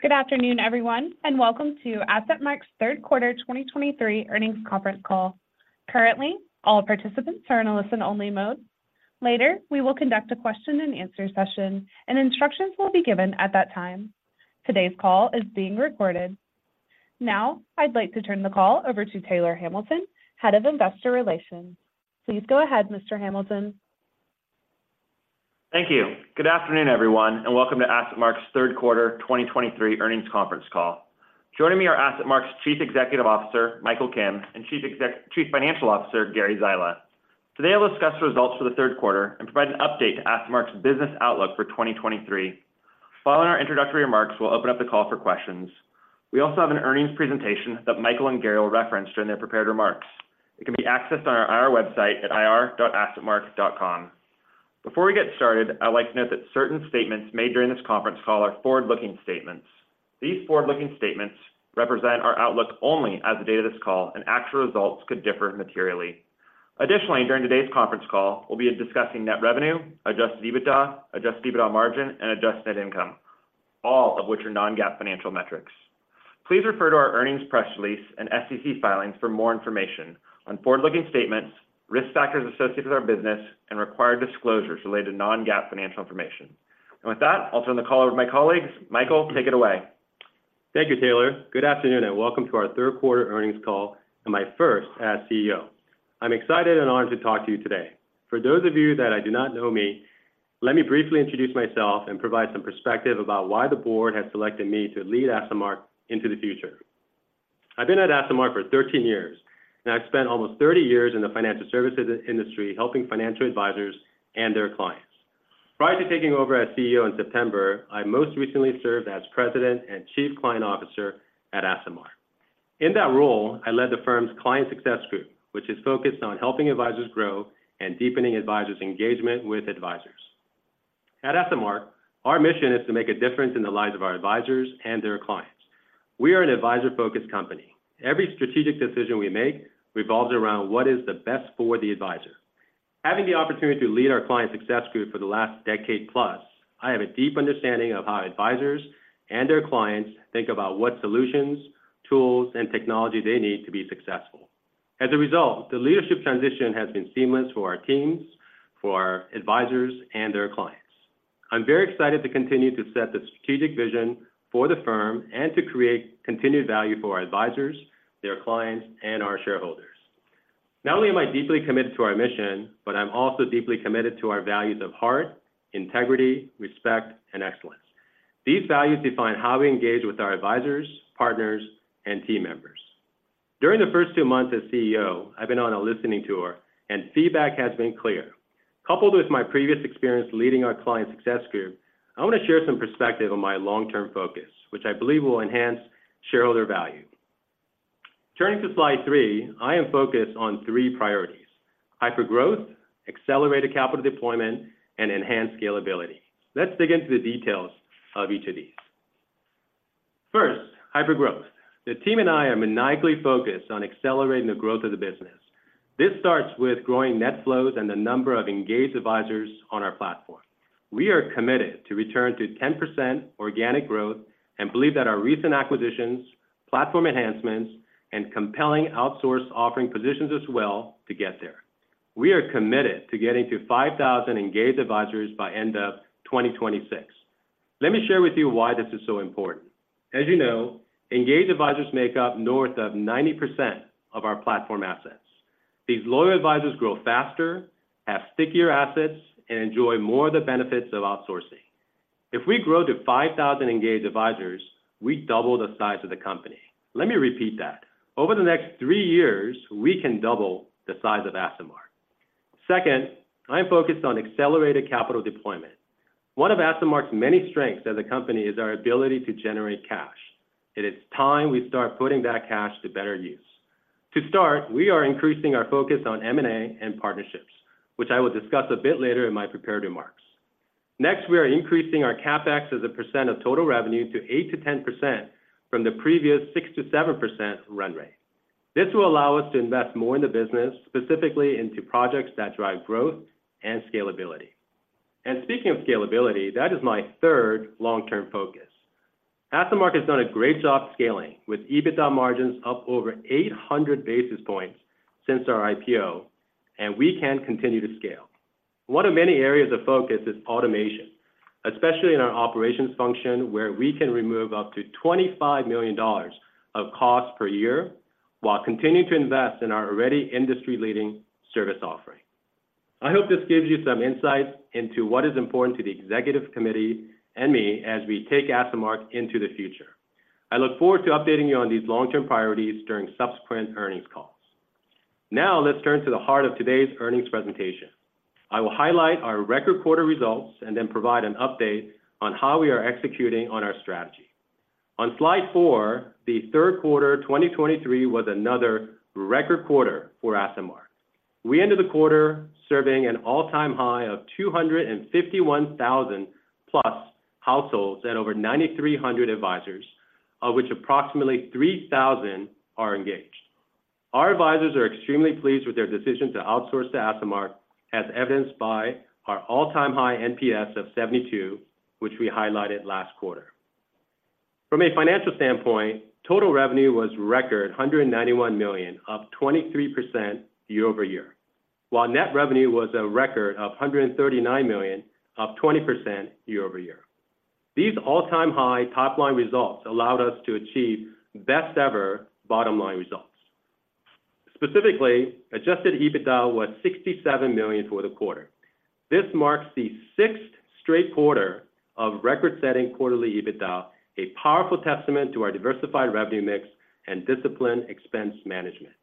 Good afternoon, everyone, and welcome to AssetMark's third quarter 2023 earnings conference call. Currently, all participants are in a listen-only mode. Later, we will conduct a question and answer session, and instructions will be given at that time. Today's call is being recorded. Now, I'd like to turn the call over to Taylor Hamilton, Head of Investor Relations. Please go ahead, Mr. Hamilton. Thank you. Good afternoon, everyone, and welcome to AssetMark's third quarter 2023 earnings conference call. Joining me are AssetMark's Chief Executive Officer, Michael Kim, and Chief Financial Officer, Gary Zyla. Today, I'll discuss the results for the third quarter and provide an update to AssetMark's business outlook for 2023. Following our introductory remarks, we'll open up the call for questions. We also have an earnings presentation that Michael and Gary will reference during their prepared remarks. It can be accessed on our IR website at ir.assetmark.com. Before we get started, I'd like to note that certain statements made during this conference call are forward-looking statements. These forward-looking statements represent our outlook only as of the date of this call, and actual results could differ materially. Additionally, during today's conference call, we'll be discussing net revenue, Adjusted EBITDA, Adjusted EBITDA Margin, and Adjusted Net Income, all of which are non-GAAP financial metrics. Please refer to our earnings press release and SEC filings for more information on forward-looking statements, risk factors associated with our business, and required disclosures related to non-GAAP financial information. With that, I'll turn the call over to my colleagues. Michael, take it away. Thank you, Taylor. Good afternoon, and welcome to our third quarter earnings call and my first as CEO. I'm excited and honored to talk to you today. For those of you that do not know me, let me briefly introduce myself and provide some perspective about why the board has selected me to lead AssetMark into the future. I've been at AssetMark for 13 years, and I've spent almost 30 years in the financial services industry, helping financial advisors and their clients. Prior to taking over as CEO in September, I most recently served as President and Chief Client Officer at AssetMark. In that role, I led the firm's client success group, which is focused on helping advisors grow and deepening advisors' engagement with advisors. At AssetMark, our mission is to make a difference in the lives of our advisors and their clients. We are an advisor-focused company. Every strategic decision we make revolves around what is the best for the advisor. Having the opportunity to lead our client success group for the last decade plus, I have a deep understanding of how advisors and their clients think about what solutions, tools, and technology they need to be successful. As a result, the leadership transition has been seamless for our teams, for our advisors, and their clients. I'm very excited to continue to set the strategic vision for the firm and to create continued value for our advisors, their clients, and our shareholders. Not only am I deeply committed to our mission, but I'm also deeply committed to our values of heart, integrity, respect, and excellence. These values define how we engage with our advisors, partners, and team members. During the first two months as CEO, I've been on a listening tour, and feedback has been clear. Coupled with my previous experience leading our client success group, I want to share some perspective on my long-term focus, which I believe will enhance shareholder value. Turning to slide three, I am focused on three priorities: hypergrowth, accelerated capital deployment, and enhanced scalability. Let's dig into the details of each of these. First, hypergrowth. The team and I are maniacally focused on accelerating the growth of the business. This starts with growing net flows and the number of engaged advisors on our platform. We are committed to return to 10% organic growth and believe that our recent acquisitions, platform enhancements, and compelling outsource offering positions us well to get there. We are committed to getting to 5,000 engaged advisors by end of 2026. Let me share with you why this is so important. As you know, engaged advisors make up north of 90% of our platform assets. These loyal advisors grow faster, have stickier assets, and enjoy more of the benefits of outsourcing. If we grow to 5,000 engaged advisors, we double the size of the company. Let me repeat that. Over the next three years, we can double the size of AssetMark. Second, I'm focused on accelerated capital deployment. One of AssetMark's many strengths as a company is our ability to generate cash. It is time we start putting that cash to better use. To start, we are increasing our focus on M&A and partnerships, which I will discuss a bit later in my prepared remarks. Next, we are increasing our CapEx as a percent of total revenue to 8%-10% from the previous 6%-7% run rate. This will allow us to invest more in the business, specifically into projects that drive growth and scalability. And speaking of scalability, that is my third long-term focus. AssetMark has done a great job scaling, with EBITDA margins up over 800 basis points since our IPO, and we can continue to scale. One of many areas of focus is automation, especially in our operations function, where we can remove up to $25 million of costs per year while continuing to invest in our already industry-leading service offering. I hope this gives you some insight into what is important to the executive committee and me as we take AssetMark into the future. I look forward to updating you on these long-term priorities during subsequent earnings calls. Now, let's turn to the heart of today's earnings presentation. I will highlight our record quarter results and then provide an update on how we are executing on our strategy. On slide four, the third quarter 2023 was another record quarter for AssetMark. We ended the quarter serving an all-time high of 251,000+ households and over 9,300 advisors, of which approximately 3,000 are engaged. Our advisors are extremely pleased with their decision to outsource to AssetMark, as evidenced by our all-time high NPS of 72, which we highlighted last quarter. From a financial standpoint, total revenue was a record $191 million, up 23% year-over-year, while net revenue was a record of $139 million, up 20% year-over-year. These all-time high top-line results allowed us to achieve best ever bottom line results. Specifically, adjusted EBITDA was $67 million for the quarter. This marks the sixth straight quarter of record-setting quarterly EBITDA, a powerful testament to our diversified revenue mix and disciplined expense management.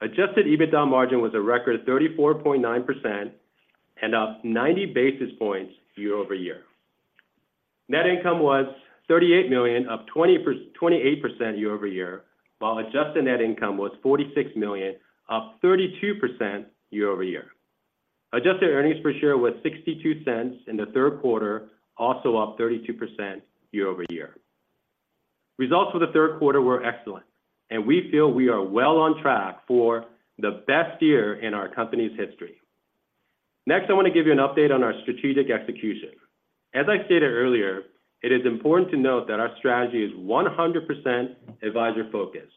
Adjusted EBITDA margin was a record 34.9% and up 90 basis points year-over-year. Net income was $38 million, up 28% year-over-year, while adjusted net income was $46 million, up 32% year-over-year. Adjusted earnings per share was $0.62 in the third quarter, also up 32% year-over-year. Results for the third quarter were excellent, and we feel we are well on track for the best year in our company's history. Next, I want to give you an update on our strategic execution. As I stated earlier, it is important to note that our strategy is 100% advisor focused,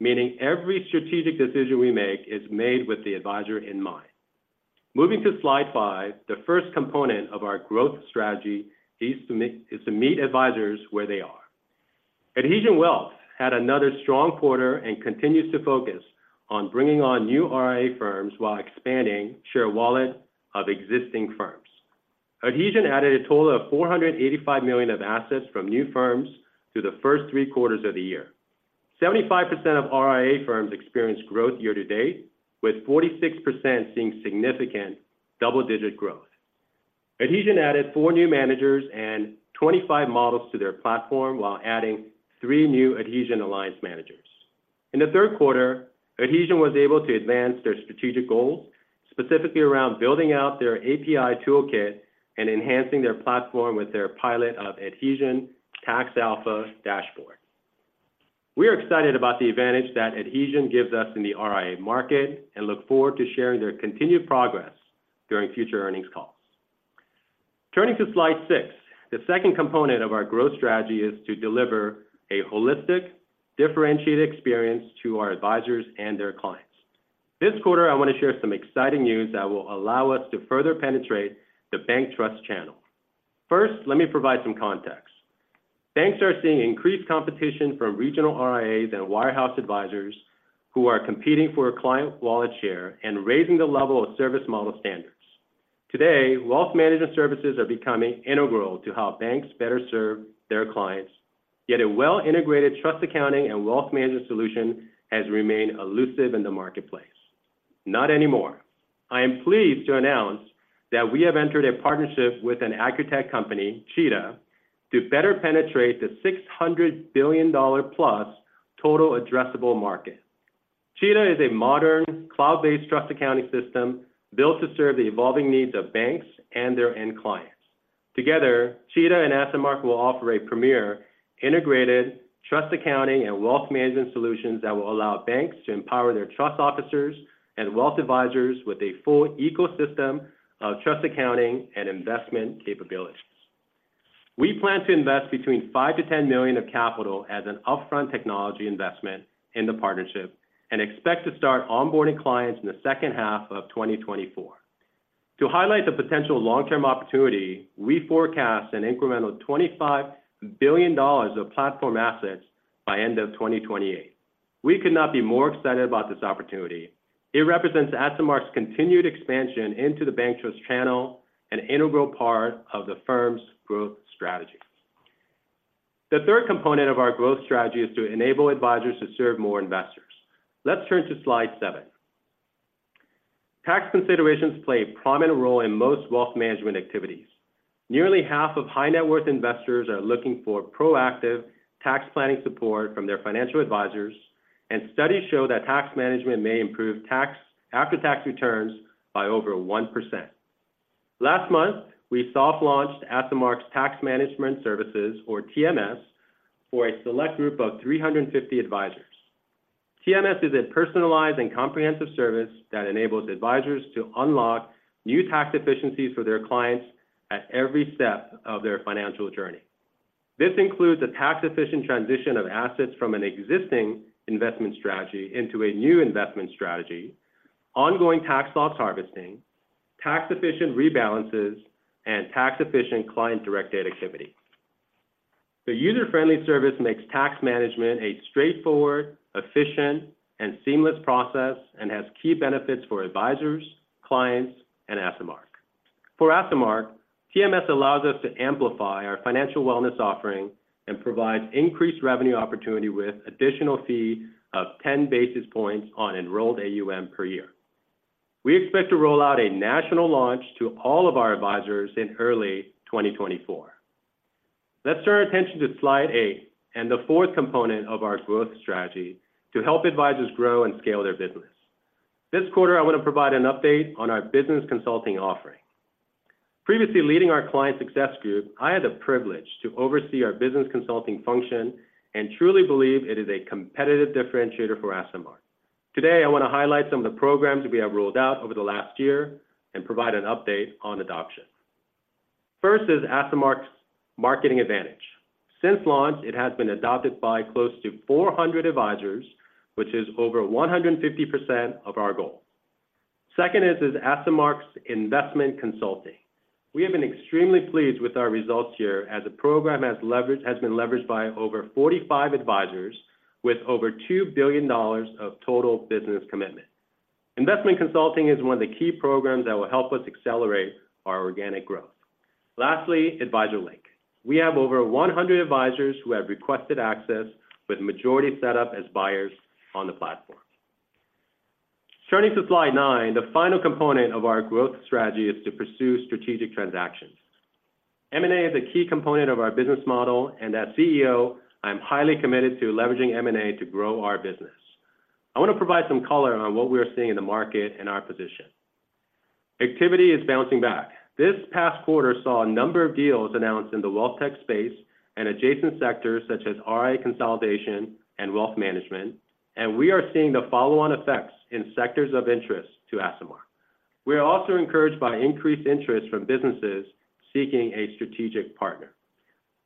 meaning every strategic decision we make is made with the advisor in mind. Moving to slide five, the first component of our growth strategy is to meet advisors where they are. Adhesion Wealth had another strong quarter and continues to focus on bringing on new RIA firms while expanding share wallet of existing firms. Adhesion added a total of $485 million of assets from new firms through the first three quarters of the year. 75% of RIA firms experienced growth year-to-date, with 46% seeing significant double-digit growth. Adhesion added four new managers and 25 models to their platform while adding three new Adhesion alliance managers. In the third quarter, Adhesion was able to advance their strategic goals, specifically around building out their API toolkit and enhancing their platform with their pilot of Adhesion Tax Alpha dashboard. We are excited about the advantage that Adhesion gives us in the RIA market and look forward to sharing their continued progress during future earnings calls. Turning to slide six, the second component of our growth strategy is to deliver a holistic, differentiated experience to our advisors and their clients. This quarter, I want to share some exciting news that will allow us to further penetrate the bank trust channel. First, let me provide some context. Banks are seeing increased competition from regional RIAs and wirehouse advisors who are competing for a client wallet share and raising the level of service model standards. Today, wealth management services are becoming integral to how banks better serve their clients, yet a well-integrated trust accounting and wealth management solution has remained elusive in the marketplace. Not anymore. I am pleased to announce that we have entered a partnership with an Accutech company, Cheetah, to better penetrate the $600 billion plus total addressable market. Cheetah is a modern, cloud-based trust accounting system built to serve the evolving needs of banks and their end clients. Together, Cheetah and AssetMark will offer a premier integrated trust accounting and wealth management solutions that will allow banks to empower their trust officers and wealth advisors with a full ecosystem of trust, accounting, and investment capabilities. We plan to invest between $5 million-$10 million of capital as an upfront technology investment in the partnership and expect to start onboarding clients in the second half of 2024. To highlight the potential long-term opportunity, we forecast an incremental $25 billion of platform assets by end of 2028. We could not be more excited about this opportunity. It represents AssetMark's continued expansion into the bank trust channel, an integral part of the firm's growth strategy. The third component of our growth strategy is to enable advisors to serve more investors. Let's turn to slide seven. Tax considerations play a prominent role in most wealth management activities. Nearly half of high net worth investors are looking for proactive tax planning support from their financial advisors, and studies show that tax management may improve tax-after-tax returns by over 1%. Last month, we soft launched AssetMark's Tax Management Services, or TMS, for a select group of 350 advisors. TMS is a personalized and comprehensive service that enables advisors to unlock new tax efficiencies for their clients at every step of their financial journey. This includes a tax-efficient transition of assets from an existing investment strategy into a new investment strategy, ongoing tax loss harvesting, tax-efficient rebalances, and tax-efficient client-directed activity. The user-friendly service makes tax management a straightforward, efficient, and seamless process and has key benefits for advisors, clients, and AssetMark. For AssetMark, TMS allows us to amplify our financial wellness offering and provide increased revenue opportunity with additional fee of 10 basis points on enrolled AUM per year. We expect to roll out a national launch to all of our advisors in early 2024. Let's turn our attention to slide eight and the fourth component of our growth strategy to help advisors grow and scale their business. This quarter, I want to provide an update on our business consulting offering.... Previously leading our client success group, I had the privilege to oversee our business consulting function and truly believe it is a competitive differentiator for AssetMark. Today, I want to highlight some of the programs we have rolled out over the last year and provide an update on adoption. First is AssetMark Marketing Advantage. Since launch, it has been adopted by close to 400 advisors, which is over 150% of our goal. Second is AssetMark Investment Consulting. We have been extremely pleased with our results here, as the program has been leveraged by over 45 advisors with over $2 billion of total business commitment. Investment Consulting is one of the key programs that will help us accelerate our organic growth. Lastly, AdvisorLink. We have over 100 advisors who have requested access, with majority set up as buyers on the platform. Turning to slide nine, the final component of our growth strategy is to pursue strategic transactions. M&A is a key component of our business model, and as CEO, I'm highly committed to leveraging M&A to grow our business. I want to provide some color on what we are seeing in the market and our position. Activity is bouncing back. This past quarter saw a number of deals announced in the wealth tech space and adjacent sectors such as RIA consolidation and wealth management, and we are seeing the follow-on effects in sectors of interest to AssetMark. We are also encouraged by increased interest from businesses seeking a strategic partner.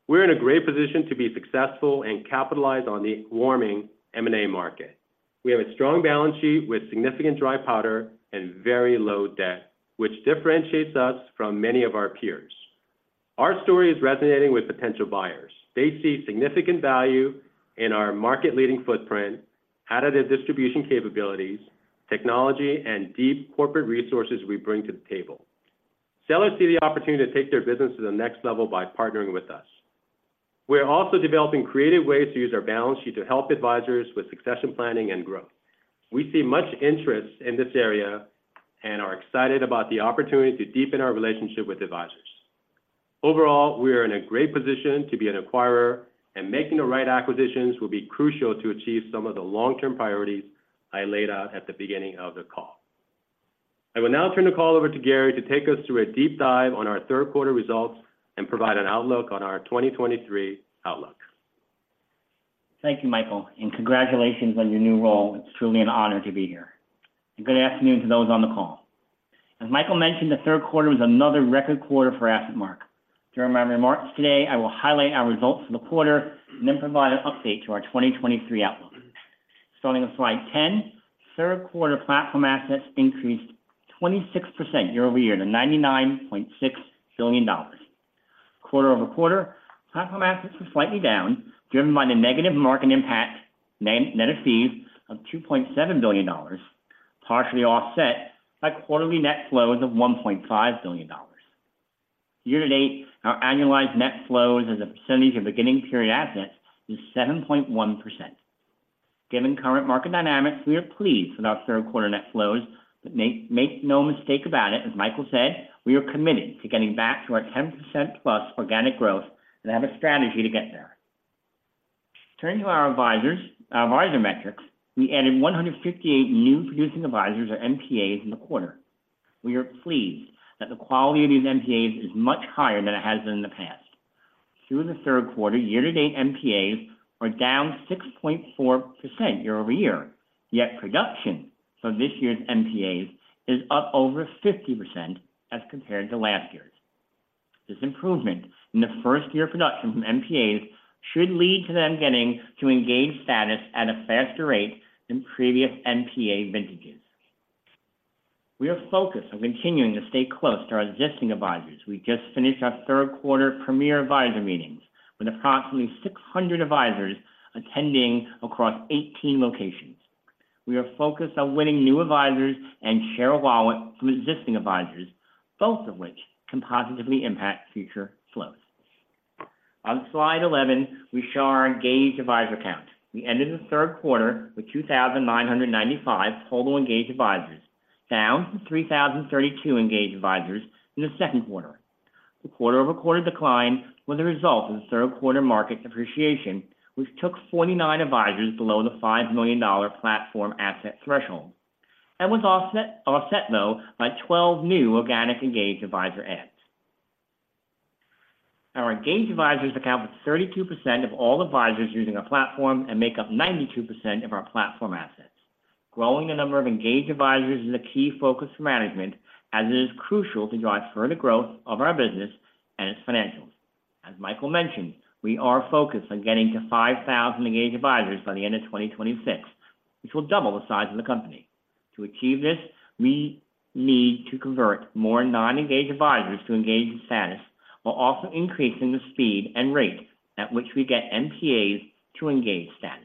We're in a great position to be successful and capitalize on the warming M&A market. We have a strong balance sheet with significant dry powder and very low debt, which differentiates us from many of our peers. Our story is resonating with potential buyers. They see significant value in our market-leading footprint, additive distribution capabilities, technology, and deep corporate resources we bring to the table. Sellers see the opportunity to take their business to the next level by partnering with us. We are also developing creative ways to use our balance sheet to help advisors with succession planning and growth. We see much interest in this area and are excited about the opportunity to deepen our relationship with advisors. Overall, we are in a great position to be an acquirer, and making the right acquisitions will be crucial to achieve some of the long-term priorities I laid out at the beginning of the call. I will now turn the call over to Gary to take us through a deep dive on our third quarter results and provide an outlook on our 2023 outlook. Thank you, Michael, and congratulations on your new role. It's truly an honor to be here. Good afternoon to those on the call. As Michael mentioned, the third quarter was another record quarter for AssetMark. During my remarks today, I will highlight our results for the quarter and then provide an update to our 2023 outlook. Starting on slide 10, third quarter platform assets increased 26% year-over-year to $99.6 billion. Quarter-over-quarter, platform assets were slightly down, driven by the negative market impact of $2.7 billion, partially offset by quarterly net flows of $1.5 billion. Year-to-date, our annualized net flows as a percentage of beginning period assets is 7.1%. Given current market dynamics, we are pleased with our third quarter net flows, but make no mistake about it, as Michael said, we are committed to getting back to our 10%+ organic growth and have a strategy to get there. Turning to our advisors, our advisor metrics, we added 158 new producing advisors or MPAs in the quarter. We are pleased that the quality of these MPAs is much higher than it has been in the past. Through the third quarter, year-to-date, MPAs are down 6.4% year-over-year, yet production for this year's MPAs is up over 50% as compared to last year's. This improvement in the first year of production from MPAs should lead to them getting to engage status at a faster rate than previous MPA vintages. We are focused on continuing to stay close to our existing advisors. We just finished our third quarter premier advisor meetings, with approximately 600 advisors attending across 18 locations. We are focused on winning new advisors and share wallet from existing advisors, both of which can positively impact future flows. On slide 11, we show our engaged advisor count. We ended the third quarter with 2,995 total engaged advisors, down from 3,032 engaged advisors in the second quarter. The quarter-over-quarter decline was a result of the third quarter market depreciation, which took 49 advisors below the $5 million platform asset threshold, and was offset though by 12 new organic engaged advisor adds. Our engaged advisors account for 32% of all advisors using our platform and make up 92% of our platform assets. Growing the number of engaged advisors is a key focus for management, as it is crucial to drive further growth of our business and its financials. As Michael mentioned, we are focused on getting to 5,000 engaged advisors by the end of 2026, which will double the size of the company. To achieve this, we need to convert more non-engaged advisors to engaged status, while also increasing the speed and rate at which we get MPAs to engaged status.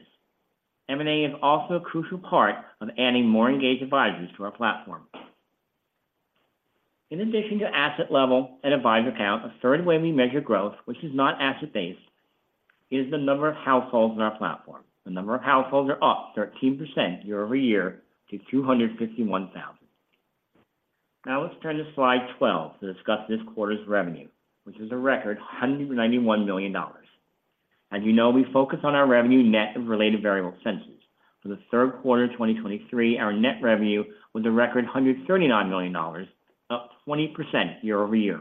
M&A is also a crucial part of adding more engaged advisors to our platform. In addition to asset level and advisor count, a third way we measure growth, which is not asset-based, is the number of households on our platform. The number of households are up 13% year-over-year to 251,000. Now, let's turn to slide 12 to discuss this quarter's revenue, which is a record $191 million. As you know, we focus on our revenue net of related variable expenses. For the third quarter of 2023, our net revenue was a record $139 million, up 20% year-over-year.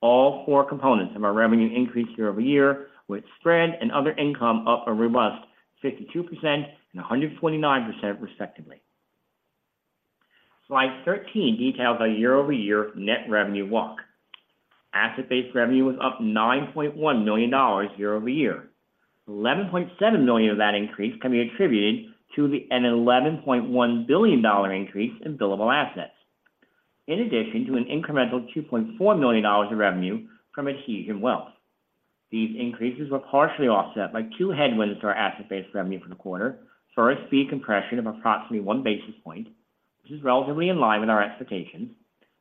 All four components of our revenue increased year-over-year, with spread and other income up a robust 52% and 129% respectively. Slide 13 details our year-over-year net revenue walk. Asset-based revenue was up $9.1 million year-over-year. $11.7 million of that increase can be attributed to an $11.1 billion increase in billable assets. In addition to an incremental $2.4 million in revenue from Adhesion Wealth. These increases were partially offset by two headwinds to our asset-based revenue for the quarter. First, fee compression of approximately 1 basis point, which is relatively in line with our expectations.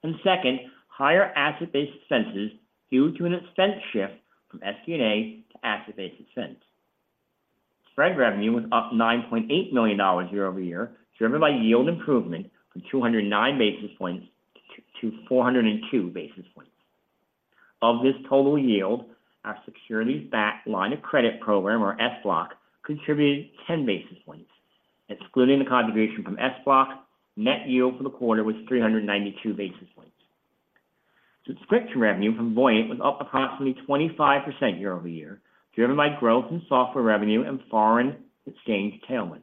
And second, higher asset-based expenses due to an expense shift from SG&A to asset-based expense. Spread revenue was up $9.8 million year-over-year, driven by yield improvement from 209 basis points to 402 basis points. Of this total yield, our securities-backed line of credit program, or SBLOC, contributed 10 basis points. Excluding the contribution from SBLOC, net yield for the quarter was 392 basis points. Subscription revenue from Voyant was up approximately 25% year-over-year, driven by growth in software revenue and foreign exchange tailwinds.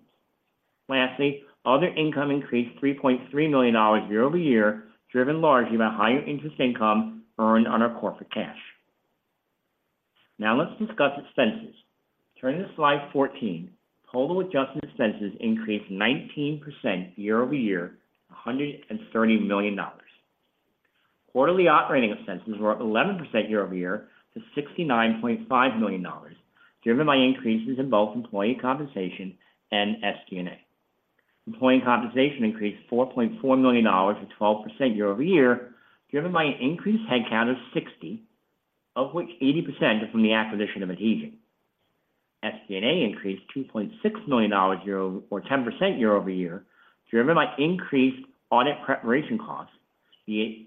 Lastly, other income increased $3.3 million year-over-year, driven largely by higher interest income earned on our corporate cash. Now let's discuss expenses. Turning to slide 14, total adjusted expenses increased 19% year-over-year, $130 million. Quarterly operating expenses were up 11% year-over-year to $69.5 million, driven by increases in both employee compensation and SG&A. Employee compensation increased $4.4 million or 12% year-over-year, driven by an increased headcount of 60, of which 80% are from the acquisition of Adhesion. SG&A increased $2.6 million or 10% year-over-year, driven by increased audit preparation costs, the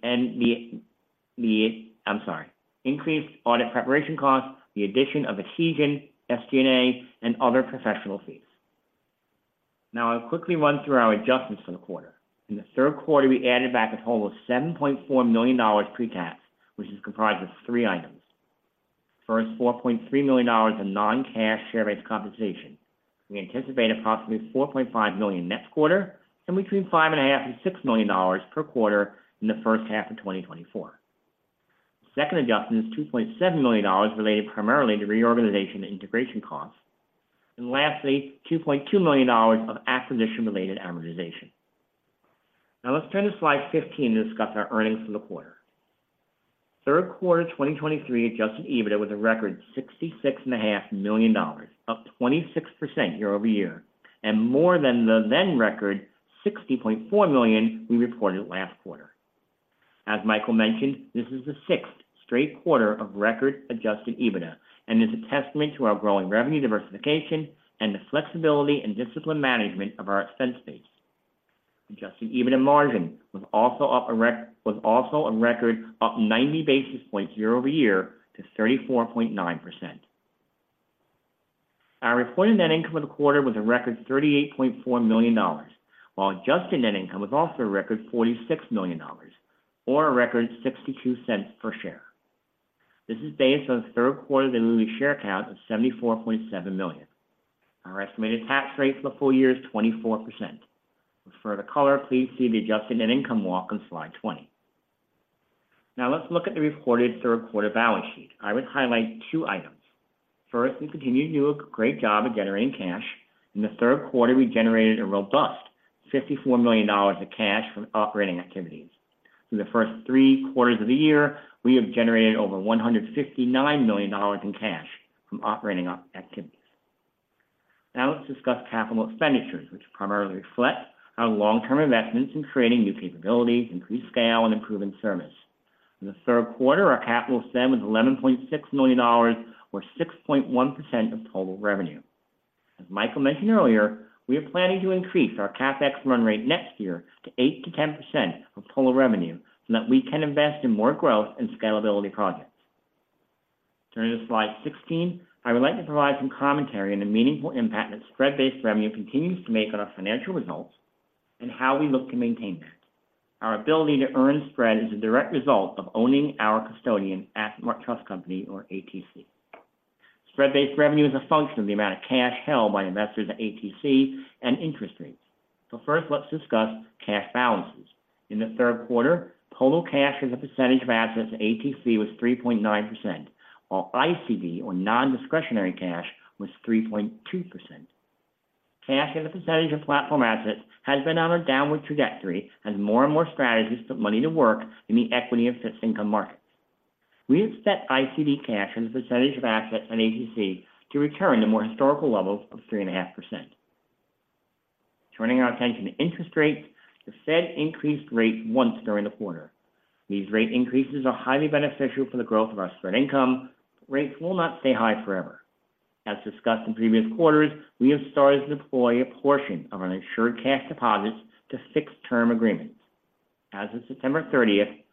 addition of Adhesion, SG&A, and other professional fees. Now, I'll quickly run through our adjustments for the quarter. In the third quarter, we added back a total of $7.4 million pre-tax, which is comprised of three items. First, $4.3 million in non-cash share-based compensation. We anticipate approximately $4.5 million next quarter, and between $5.5 million and $6 million per quarter in the first half of 2024. The second adjustment is $2.7 million, related primarily to reorganization and integration costs. And lastly, $2.2 million of acquisition-related amortization. Now let's turn to slide 15 to discuss our earnings for the quarter. Third quarter 2023 Adjusted EBITDA was a record $66.5 million, up 26% year-over-year, and more than the then record $60.4 million we reported last quarter. As Michael mentioned, this is the sixth straight quarter of record Adjusted EBITDA, and is a testament to our growing revenue diversification and the flexibility and discipline management of our expense base. Adjusted EBITDA margin was also up a, was also a record, up 90 basis points year-over-year to 34.9%. Our reported net income for the quarter was a record $38.4 million, while adjusted net income was also a record $46 million or a record $0.62 per share. This is based on the third quarter diluted share count of 74.7 million. Our estimated tax rate for the full year is 24%. For further color, please see the adjusted net income walk on slide 20. Now let's look at the reported third quarter balance sheet. I would highlight two items. First, we continue to do a great job of generating cash. In the third quarter, we generated a robust $54 million of cash from operating activities. Through the first three quarters of the year, we have generated over $159 million in cash from operating activities. Now let's discuss capital expenditures, which primarily reflect our long-term investments in creating new capabilities, increased scale, and improving service. In the third quarter, our capital spend was $11.6 million, or 6.1% of total revenue. As Michael mentioned earlier, we are planning to increase our CapEx run rate next year to 8%-10% of total revenue, so that we can invest in more growth and scalability projects. Turning to slide 16, I would like to provide some commentary on the meaningful impact that spread-based revenue continues to make on our financial results and how we look to maintain that. Our ability to earn spread is a direct result of owning our custodian, AssetMark Trust Company, or ATC. Spread-based revenue is a function of the amount of cash held by investors at ATC and interest rates. So first, let's discuss cash balances. In the third quarter, total cash as a percentage of assets at ATC was 3.9%, while ICD, or non-discretionary cash, was 3.2%. Cash as a percentage of platform assets has been on a downward trajectory as more and more strategies put money to work in the equity and fixed income markets. We expect ICD cash as a percentage of assets at ATC to return to more historical levels of 3.5%. Turning our attention to interest rates, the Fed increased rates once during the quarter. These rate increases are highly beneficial for the growth of our spread income. Rates will not stay high forever. As discussed in previous quarters, we have started to deploy a portion of our insured cash deposits to fixed term agreements, as of September 30,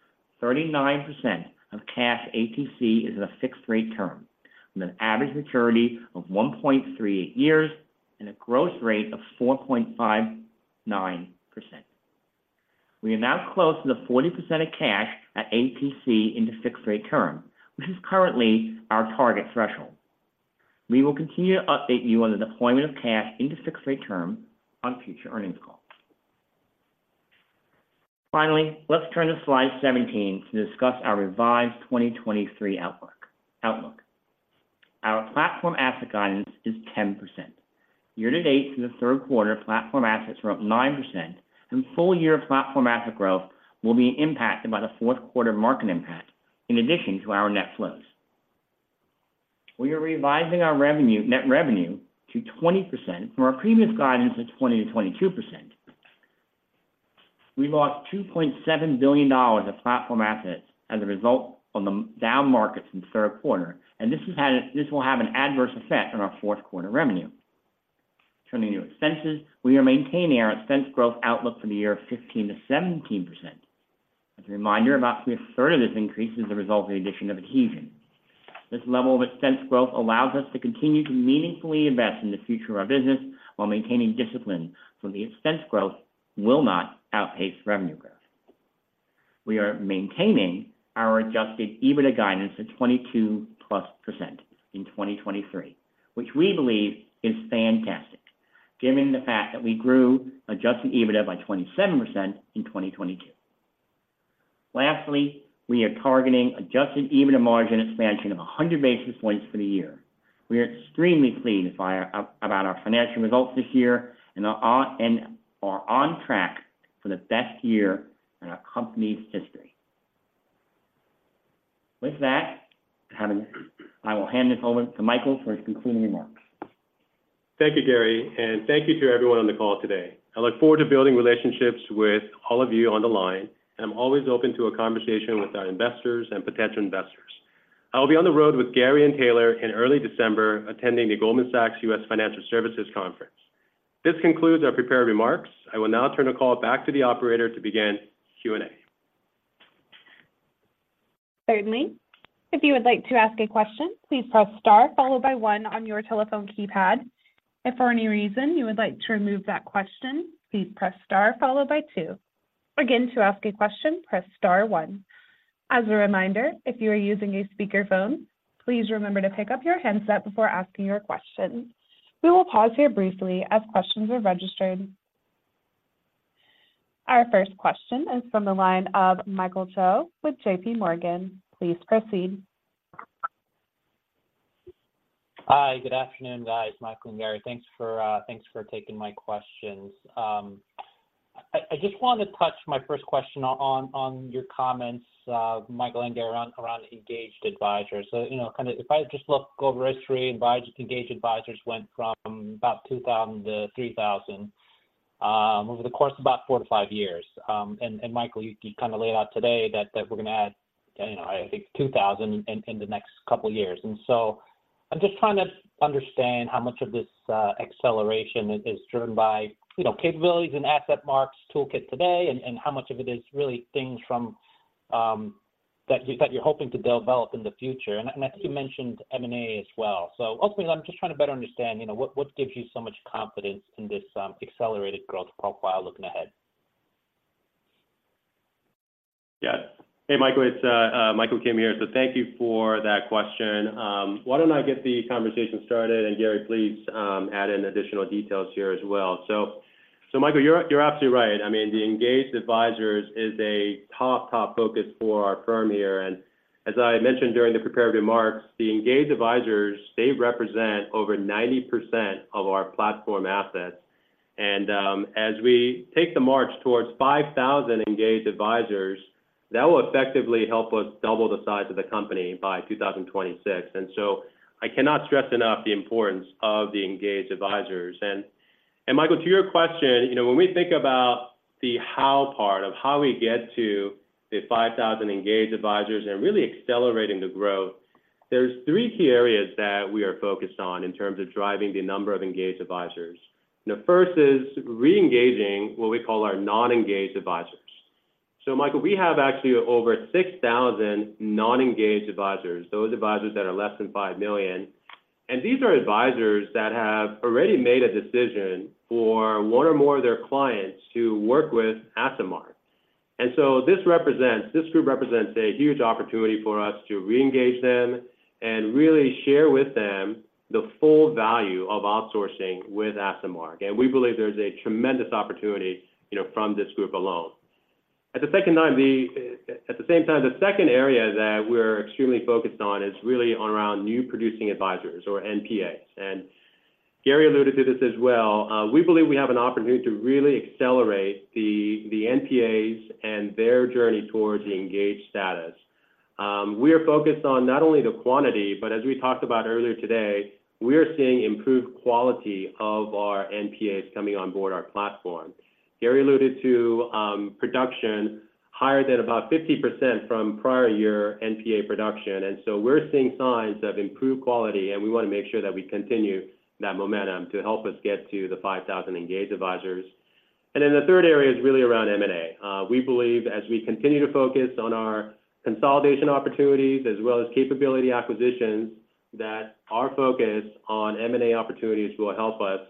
39% of cash ATC is in a fixed rate term, with an average maturity of 1.38 years and a growth rate of 4.59%. We are now close to the 40% of cash at ATC into fixed rate term, which is currently our target threshold. We will continue to update you on the deployment of cash into fixed rate term on future earnings calls. Finally, let's turn to slide 17 to discuss our revised 2023 outlook. Our platform asset guidance is 10%. Year-to-date, through the third quarter, platform assets were up 9%, and full year platform asset growth will be impacted by the fourth quarter market impact in addition to our net flows. We are revising our net revenue to 20% from our previous guidance of 20%-22%. We lost $2.7 billion of platform assets as a result from the down markets in the third quarter, and this will have an adverse effect on our fourth quarter revenue. Turning to expenses, we are maintaining our expense growth outlook for the year of 15%-17%. As a reminder, about two-thirds of this increase is the result of the addition of Adhesion. This level of expense growth allows us to continue to meaningfully invest in the future of our business while maintaining discipline, so the expense growth will not outpace revenue growth. We are maintaining our Adjusted EBITDA guidance of 22%+ in 2023, which we believe is fantastic, given the fact that we grew Adjusted EBITDA by 27% in 2022. Lastly, we are targeting Adjusted EBITDA margin expansion of 100 basis points for the year. We are extremely pleased about our financial results this year and are on track for the best year in our company's history. With that, I will hand it over to Michael for his concluding remarks. Thank you, Gary, and thank you to everyone on the call today. I look forward to building relationships with all of you on the line, and I'm always open to a conversation with our investors and potential investors. I will be on the road with Gary and Taylor in early December, attending the Goldman Sachs U.S. Financial Services Conference. This concludes our prepared remarks. I will now turn the call back to the operator to begin Q&A. Certainly. If you would like to ask a question, please press star followed by one on your telephone keypad. If for any reason you would like to remove that question, please press star followed by two. Again, to ask a question, press star one. As a reminder, if you are using a speakerphone, please remember to pick up your handset before asking your question. We will pause here briefly as questions are registered. Our first question is from the line of Michael Cho with JPMorgan. Please proceed. Hi, good afternoon, guys. Michael and Gary, thanks for taking my questions. I just want to touch on my first question on your comments, Michael and Gary, around engaged advisors. So, you know, kind of if I just look over history, engaged advisors went from about 2,000 to 3,000 over the course of about four to five years. And Michael, you kind of laid out today that we're going to add, you know, I think 2,000 in the next couple of years. So I'm just trying to understand how much of this acceleration is driven by, you know, capabilities and AssetMark's toolkit today, and how much of it is really things that you're hoping to develop in the future? I think you mentioned M&A as well. Ultimately, I'm just trying to better understand, you know, what, what gives you so much confidence in this accelerated growth profile looking ahead? Yeah. Hey, Michael, it's Michael Kim here. So thank you for that question. Why don't I get the conversation started, and Gary, please add in additional details here as well. So, so Michael, you're, you're absolutely right. I mean, the engaged advisors is a top, top focus for our firm here. And as I had mentioned during the prepared remarks, the engaged advisors, they represent over 90% of our platform assets. And as we take the march towards 5,000 engaged advisors, that will effectively help us double the size of the company by 2026. And so I cannot stress enough the importance of the engaged advisors. And Michael, to your question, you know, when we think about the how part of how we get to the 5,000 engaged advisors and really accelerating the growth, there's three key areas that we are focused on in terms of driving the number of engaged advisors. The first is reengaging what we call our non-engaged advisors. So Michael, we have actually over 6,000 non-engaged advisors, those advisors that are less than $5 million. And these are advisors that have already made a decision for one or more of their clients to work with AssetMark. And so this represents. This group represents a huge opportunity for us to reengage them and really share with them the full value of outsourcing with AssetMark. And we believe there's a tremendous opportunity, you know, from this group alone. At the second time, the... At the same time, the second area that we're extremely focused on is really around new producing advisors or NPAs. And Gary alluded to this as well. We believe we have an opportunity to really accelerate the NPAs and their journey towards the engaged status. We are focused on not only the quantity, but as we talked about earlier today, we are seeing improved quality of our NPAs coming on board our platform. Gary alluded to production higher than about 50% from prior year NPA production, and so we're seeing signs of improved quality, and we want to make sure that we continue that momentum to help us get to the 5,000 engaged advisors. And then the third area is really around M&A. We believe as we continue to focus on our consolidation opportunities, as well as capability acquisitions, that our focus on M&A opportunities will help us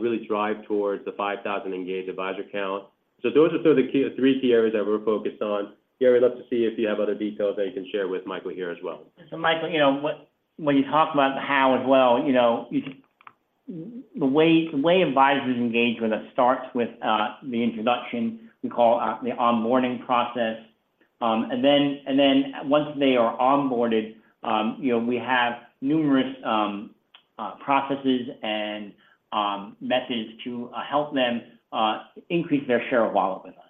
really drive towards the 5,000 engaged advisor count. So those are sort of the key, three key areas that we're focused on. Gary, I'd love to see if you have other details that you can share with Michael here as well. So Michael, you know, what, when you talk about the how as well, you know, the way advisors engage with us starts with the introduction we call the onboarding process. And then, once they are onboarded, you know, we have numerous processes and methods to help them increase their share of wallet with us.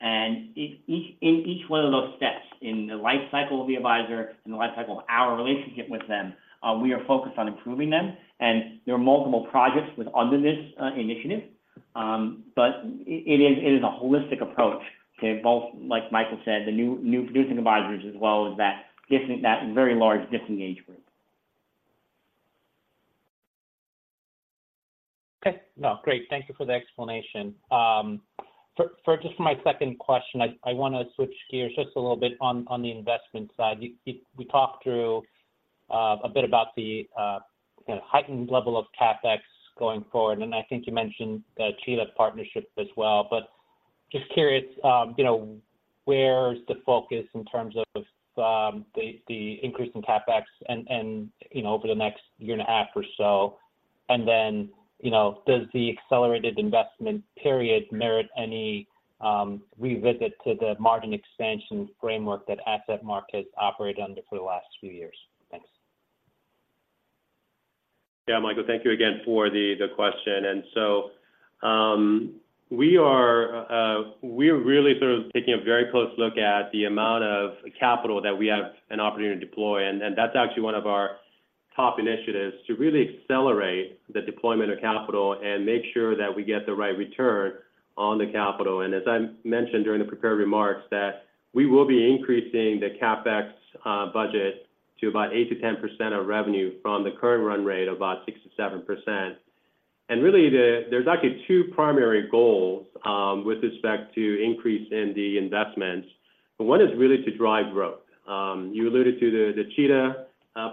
And each one of those steps in the life cycle of the advisor and the life cycle of our relationship with them, we are focused on improving them. And there are multiple projects within this initiative, but it is a holistic approach to both, like Michael said, the new producing advisors, as well as targeting that very large disengaged group. Okay. No, great. Thank you for the explanation. For just my second question, I wanna switch gears just a little bit on the investment side. We talked through a bit about the kind of heightened level of CapEx going forward, and I think you mentioned the Cheetah partnership as well. But just curious, you know, where's the focus in terms of the increase in CapEx and, you know, over the next year and a half or so? And then, you know, does the accelerated investment period merit any revisit to the margin expansion framework that AssetMark's operated under for the last few years? Thanks. Yeah, Michael, thank you again for the question. And so, we are really sort of taking a very close look at the amount of capital that we have an opportunity to deploy, and that's actually one of our top initiatives, to really accelerate the deployment of capital and make sure that we get the right return on the capital. And as I mentioned during the prepared remarks, that we will be increasing the CapEx budget to about 8-10% of revenue from the current run rate of about 6-7%. And really, there's actually two primary goals with respect to increase in the investments. One is really to drive growth. You alluded to the Cheetah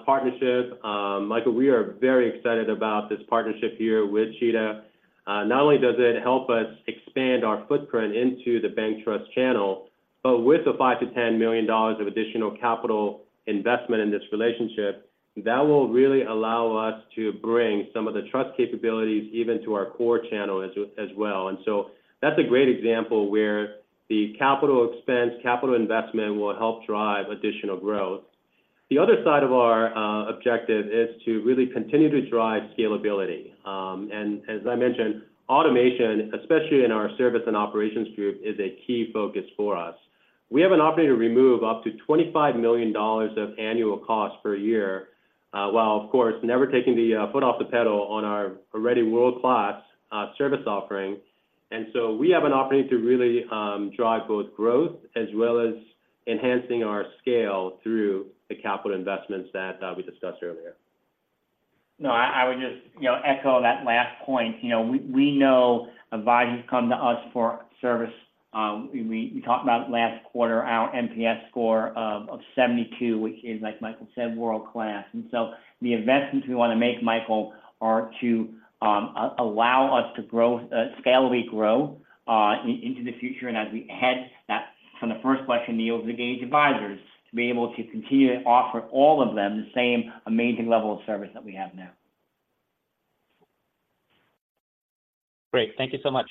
partnership. Michael, we are very excited about this partnership here with Cheetah. Not only does it help us expand our footprint into the bank trust channel, but with the $5-10 million of additional capital investment in this relationship, that will really allow us to bring some of the trust capabilities even to our core channel as well. And so that's a great example where the capital expense, capital investment will help drive additional growth. The other side of our objective is to really continue to drive scalability. And as I mentioned, automation, especially in our service and operations group, is a key focus for us. We have an opportunity to remove up to $25 million of annual costs per year, while, of course, never taking the foot off the pedal on our already world-class service offering. So we have an opportunity to really drive both growth as well as enhancing our scale through the capital investments that we discussed earlier. No, I would just, you know, echo that last point. You know, we know advisors come to us for service. We talked about last quarter our NPS score of 72, which is, like Michael said, world-class. And so the investments we wanna make, Michael, are to allow us to grow, scalably grow, into the future. And as we head into that, from the first question, Neil, to engage advisors, to be able to continue to offer all of them the same amazing level of service that we have now. Great. Thank you so much.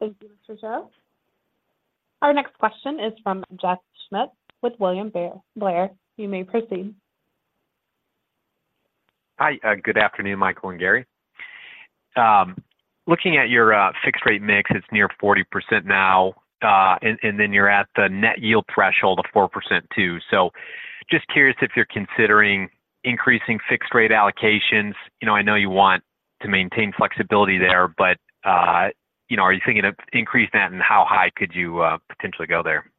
Thank you, Mr. Cho. Our next question is from Jeff Schmitt with William Blair. You may proceed. Hi. Good afternoon, Michael and Gary. Looking at your fixed rate mix, it's near 40% now, and then you're at the net yield threshold of 4% too. So just curious if you're considering increasing fixed rate allocations. You know, I know you want to maintain flexibility there, but you know, are you thinking of increasing that, and how high could you potentially go there?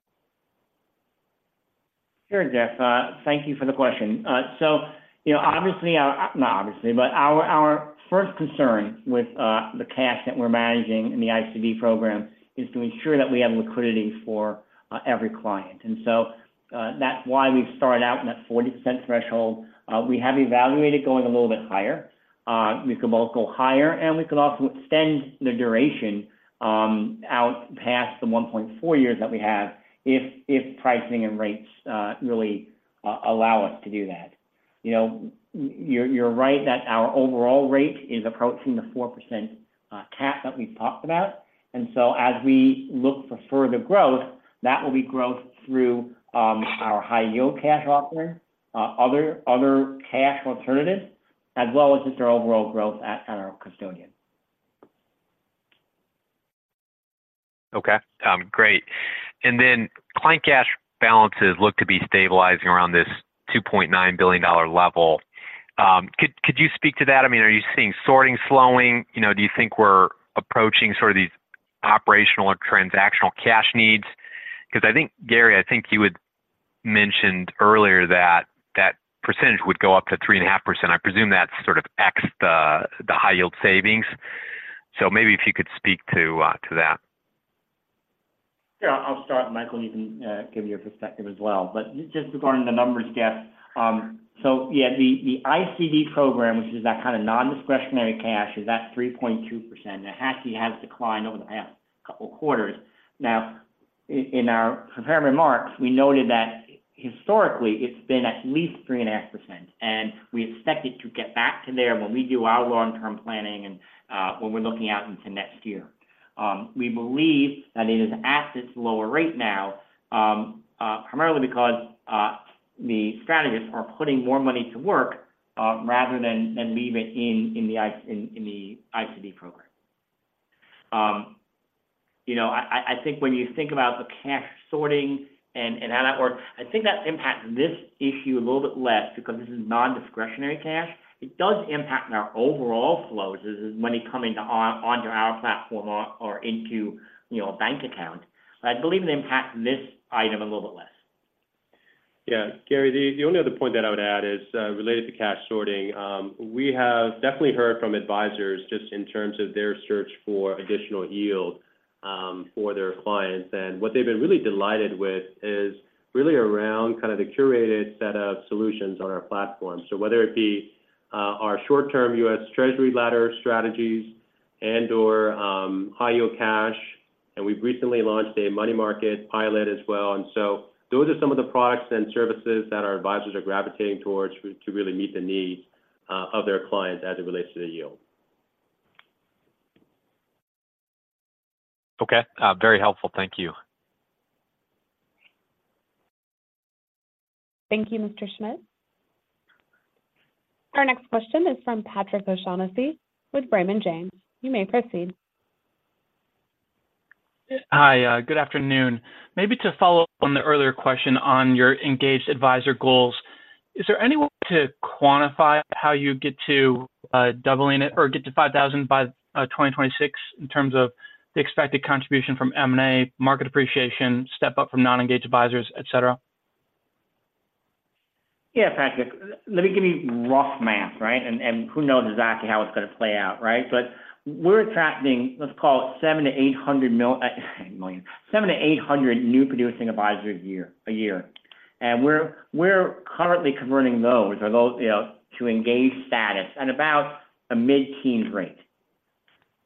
Sure, Jeff, thank you for the question. So you know, obviously, not obviously, but our first concern with the cash that we're managing in the ICD program is to ensure that we have liquidity for every client. And so, that's why we've started out in that 40% threshold. We have evaluated going a little bit higher. We could both go higher, and we could also extend the duration out past the 1.4 years that we have, if pricing and rates really allow us to do that. You know, you're right that our overall rate is approaching the 4% cap that we've talked about. And so as we look for further growth, that will be growth through our high yield cash offering, other cash alternatives, as well as just our overall growth at our custodian. Okay, great. And then client cash balances look to be stabilizing around this $2.9 billion level. Could you speak to that? I mean, are you seeing sorting slowing? You know, do you think we're approaching sort of these operational or transactional cash needs. Because I think, Gary, I think you had mentioned earlier that that percentage would go up to 3.5%. I presume that's sort of X, the high yield savings. So maybe if you could speak to that. Yeah, I'll start, Michael, and you can give your perspective as well. But just regarding the numbers gap, so yeah, the ICD program, which is that kind of non-discretionary cash, is at 3.2%. It actually has declined over the past couple quarters. Now, in our prepared remarks, we noted that historically, it's been at least 3.5%, and we expect it to get back to there when we do our long-term planning and when we're looking out into next year. We believe that it is at this lower rate now primarily because the strategists are putting more money to work rather than leaving in the ICD program. You know, I think when you think about the cash sorting and how that works, I think that impacts this issue a little bit less because this is non-discretionary cash. It does impact our overall flows, as money coming onto our platform or into, you know, a bank account. But I believe it impacts this item a little bit less. Yeah, Gary, the only other point that I would add is related to cash sorting. We have definitely heard from advisors just in terms of their search for additional yield for their clients. And what they've been really delighted with is really around kind of the curated set of solutions on our platform. So whether it be our short-term U.S. Treasury ladder strategies and/or high-yield cash, and we've recently launched a money market pilot as well. And so those are some of the products and services that our advisors are gravitating towards to really meet the needs of their clients as it relates to the yield. Okay. Very helpful. Thank you. Thank you, Mr. Schmitt. Our next question is from Patrick O'Shaughnessy with Raymond James. You may proceed. Hi, good afternoon. Maybe to follow up on the earlier question on your engaged advisor goals, is there any way to quantify how you get to, doubling it or get to 5,000 by 2026 in terms of the expected contribution from M&A, market appreciation, step up from non-engaged advisors, et cetera? Yeah, Patrick, let me give you rough math, right? And who knows exactly how it's going to play out, right? But we're attracting, let's call it 700-800 million, 700-800 new producing advisors a year, a year. And we're currently converting those or those, you know, to engaged status at about a mid-teens rate.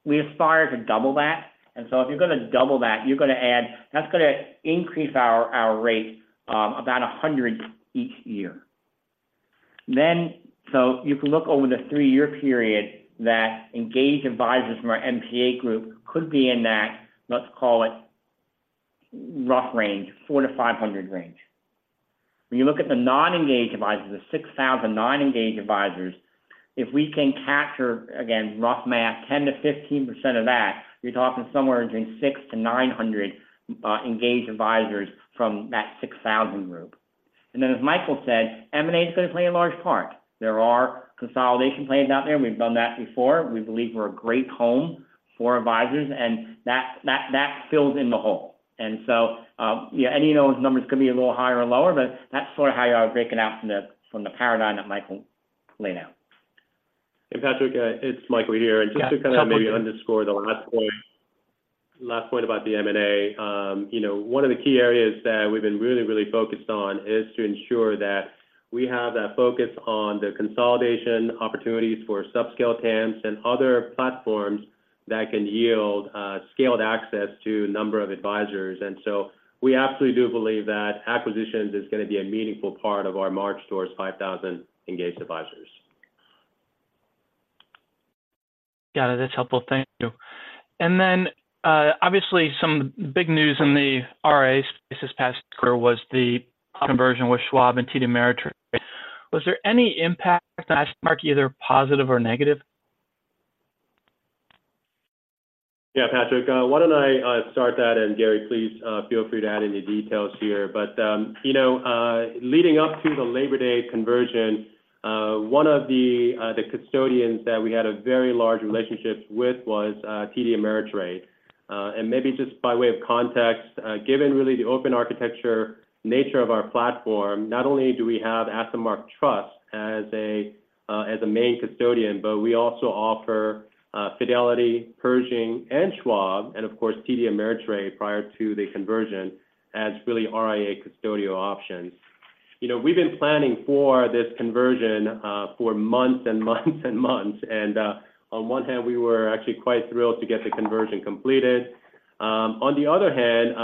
We aspire to double that, and so if you're going to double that, you're going to add... That's going to increase our rate, about 100 each year. Then, so you can look over the three-year period that engaged advisors from our MPA group could be in that, let's call it, rough range, 400-500 range. When you look at the non-engaged advisors, the 6,000 non-engaged advisors, if we can capture, again, rough math, 10%-15% of that, you're talking somewhere between 600-900 engaged advisors from that 6,000 group. And then, as Michael said, M&A is going to play a large part. There are consolidation plans out there, and we've done that before. We believe we're a great home for advisors, and that, that, that fills in the hole. And so, yeah, any of those numbers could be a little higher or lower, but that's sort of how you're breaking out from the, from the paradigm that Michael laid out. Hey, Patrick, it's Michael here. Yeah. Just to kind of maybe underscore the last point, last point about the M&A, you know, one of the key areas that we've been really, really focused on is to ensure that we have that focus on the consolidation opportunities for subscale TAMs and other platforms that can yield scaled access to a number of advisors. So we absolutely do believe that acquisitions is going to be a meaningful part of our march towards 5,000 engaged advisors. Got it. That's helpful. Thank you. And then, obviously, some big news in the RIA space this past quarter was the conversion with Schwab and TD Ameritrade. Was there any impact on AssetMark, either positive or negative? Yeah, Patrick, why don't I start that, and Gary, please feel free to add any details here. But, you know, leading up to the Labor Day conversion, one of the custodians that we had a very large relationship with was TD Ameritrade. And maybe just by way of context, given really the open architecture nature of our platform, not only do we have AssetMark Trust as a main custodian, but we also offer Fidelity, Pershing, and Schwab, and of course, TD Ameritrade, prior to the conversion, as really RIA custodial options. You know, we've been planning for this conversion for months and months, and on one hand, we were actually quite thrilled to get the conversion completed. On the other hand,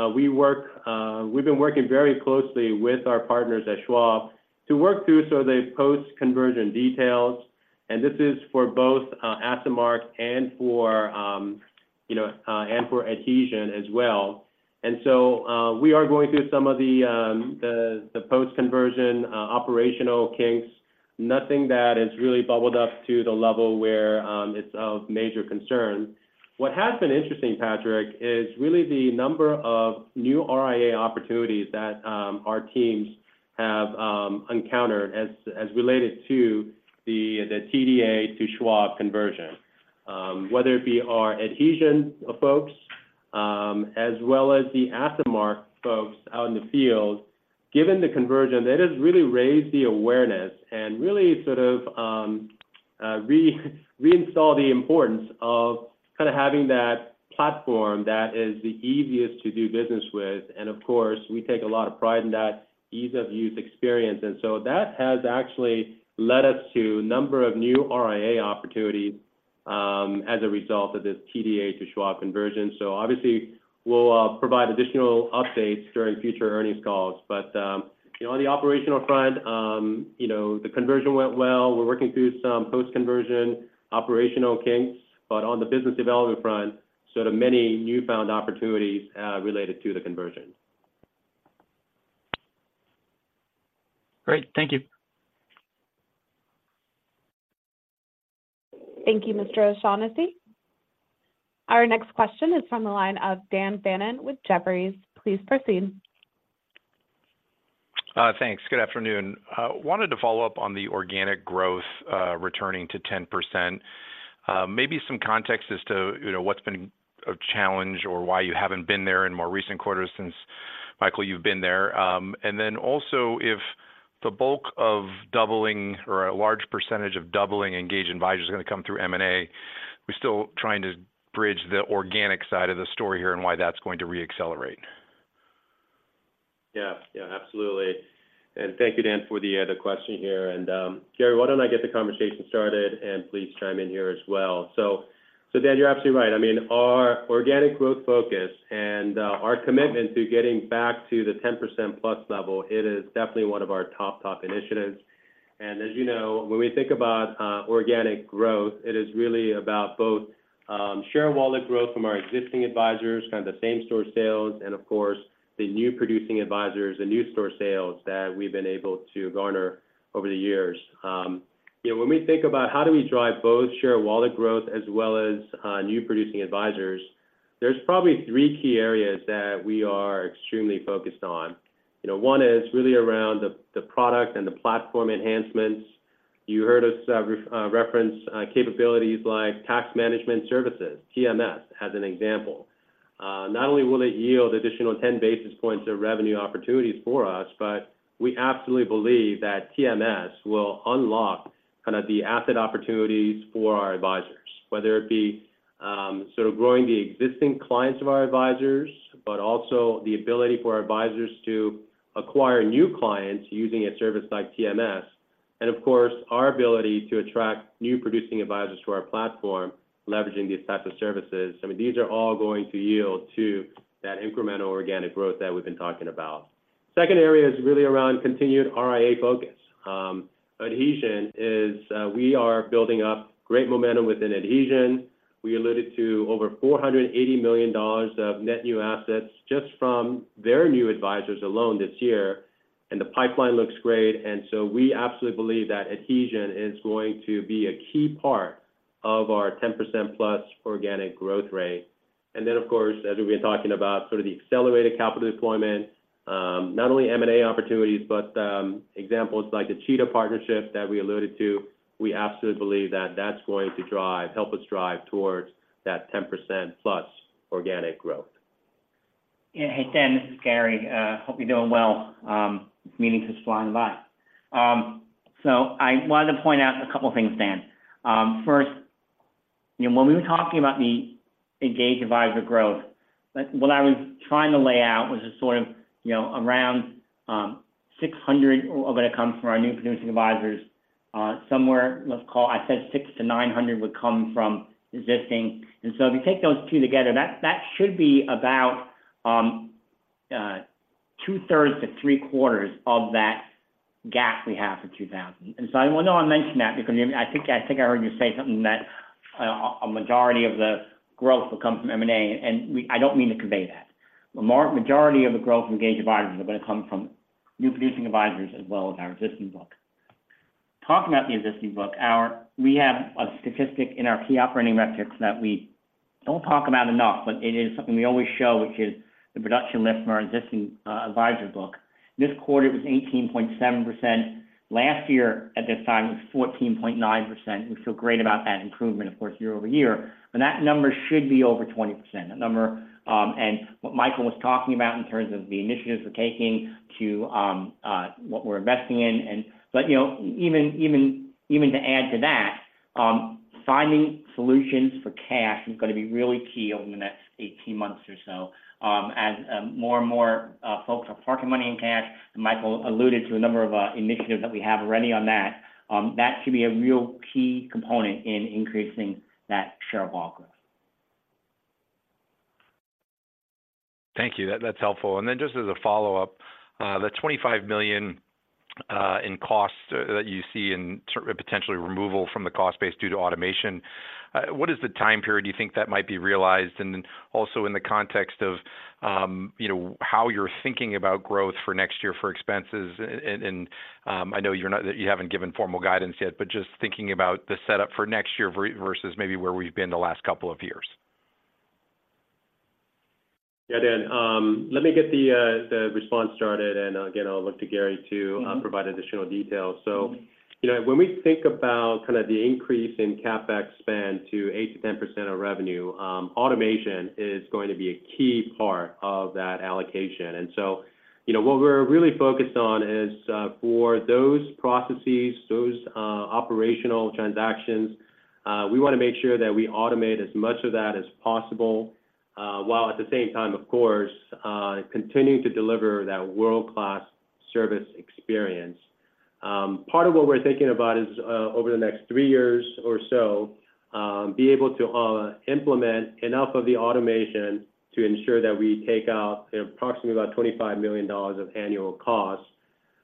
we've been working very closely with our partners at Schwab to work through some of the post-conversion details, and this is for both AssetMark and for, you know, and for Adhesion as well. And so, we are going through some of the post-conversion operational kinks, nothing that has really bubbled up to the level where it's of major concern. What has been interesting, Patrick, is really the number of new RIA opportunities that our teams have encountered as related to the TDA to Schwab conversion. Whether it be our Adhesion folks, as well as the AssetMark folks out in the field.... Given the conversion, it has really raised the awareness and really sort of reinstalled the importance of kind of having that platform that is the easiest to do business with. And of course, we take a lot of pride in that ease of use experience. And so that has actually led us to a number of new RIA opportunities as a result of this TDA to Schwab conversion. So obviously, we'll provide additional updates during future earnings calls. But you know, on the operational front, you know, the conversion went well. We're working through some post-conversion operational kinks, but on the business development front, sort of many newfound opportunities related to the conversion. Great. Thank you. Thank you, Mr. O'Shaughnessy. Our next question is from the line of Dan Fannon with Jefferies. Please proceed. Thanks. Good afternoon. Wanted to follow up on the organic growth returning to 10%. Maybe some context as to, you know, what's been a challenge or why you haven't been there in more recent quarters since, Michael, you've been there. And then also, if the bulk of doubling or a large percentage of doubling engaged advisors are going to come through M&A, we're still trying to bridge the organic side of the story here and why that's going to reaccelerate. Yeah. Yeah, absolutely. And thank you, Dan, for the question here. And, Gary, why don't I get the conversation started, and please chime in here as well? So, Dan, you're absolutely right. I mean, our organic growth focus and our commitment to getting back to the 10%+ level, it is definitely one of our top, top initiatives. And as you know, when we think about organic growth, it is really about both share wallet growth from our existing advisors, kind of the same-store sales, and of course, the new producing advisors, the new store sales that we've been able to garner over the years. You know, when we think about how do we drive both share wallet growth as well as new producing advisors, there's probably three key areas that we are extremely focused on. You know, one is really around the, the product and the platform enhancements. You heard us reference capabilities like Tax Management Services. TMS, as an example. Not only will it yield additional 10 basis points of revenue opportunities for us, but we absolutely believe that TMS will unlock kind of the asset opportunities for our advisors. Whether it be sort of growing the existing clients of our advisors, but also the ability for our advisors to acquire new clients using a service like TMS, and of course, our ability to attract new producing advisors to our platform, leveraging these types of services. I mean, these are all going to yield to that incremental organic growth that we've been talking about. Second area is really around continued RIA focus. Adhesion is... We are building up great momentum within Adhesion. We alluded to over $480 million of net new assets just from their new advisors alone this year, and the pipeline looks great. And so we absolutely believe that Adhesion is going to be a key part of our 10%+ organic growth rate. And then, of course, as we've been talking about, sort of the accelerated capital deployment, not only M&A opportunities, but, examples like the Cheetah partnership that we alluded to, we absolutely believe that that's going to drive, help us drive towards that 10%+ organic growth. Yeah. Hey, Dan, this is Gary. Hope you're doing well. This meeting just flying by. So I wanted to point out a couple of things, Dan. First, you know, when we were talking about the engaged advisor growth, but what I was trying to lay out was a sort of, you know, around, 600 of it comes from our new producing advisors. Somewhere, let's call... I said 600-900 would come from existing. And so if you take those two together, that, that should be about, two-thirds to three-quarters of that gap we have for 2,000. And so I want to mention that because I think, I think I heard you say something that, a majority of the growth will come from M&A, and I don't mean to convey that. The majority of the growth from engaged advisors are going to come from new producing advisors as well as our existing book. Talking about the existing book, we have a statistic in our key operating metrics that we don't talk about enough, but it is something we always show, which is the production lift from our existing advisor book. This quarter, it was 18.7%. Last year, at this time, it was 14.9%. We feel great about that improvement, of course, year-over-year, but that number should be over 20%. That number, and what Michael was talking about in terms of the initiatives we're taking to, what we're investing in, and... But, you know, even to add to that, finding solutions for cash is going to be really key over the next 18 months or so, as more and more folks are parking money in cash, and Michael alluded to a number of initiatives that we have already on that. That should be a real key component in increasing that share of all growth. Thank you. That, that's helpful. And then just as a follow-up, the $25 million in costs that you see in potentially removal from the cost base due to automation, what is the time period you think that might be realized? And then also in the context of, you know, how you're thinking about growth for next year for expenses. And, I know you're not - you haven't given formal guidance yet, but just thinking about the setup for next year versus maybe where we've been the last couple of years. Yeah, Dan, let me get the response started, and again, I'll look to Gary to provide additional details. So, you know, when we think about kind of the increase in CapEx spend to 8%-10% of revenue, automation is going to be a key part of that allocation. And so, you know, what we're really focused on is, for those processes, those operational transactions, we want to make sure that we automate as much of that as possible, while at the same time, of course, continuing to deliver that world-class service experience. Part of what we're thinking about is, over the next three years or so, be able to implement enough of the automation to ensure that we take out approximately about $25 million of annual costs.